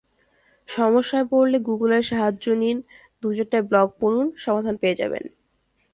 সমস্যায় পড়লে গুগলের সাহায্য নিন, দু-চারটা ব্লগ পড়ুন, সমাধান পেয়ে যাবেন।